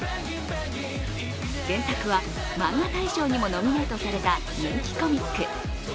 原作はマンガ大賞にもノミネートされた人気コミック。